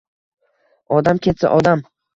Odam ketsa odam